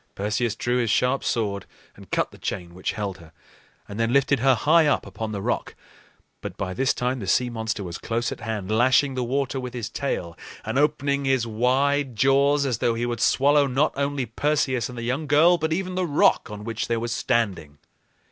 Perseus drew his sharp sword and cut the chain which held her, and then lifted her high up upon the rock. But by this time the sea monster was close at hand, lashing the water with his tail and opening his wide jaws as though he would swallow not only Perseus and the young girl, but even the rock on which they were standing.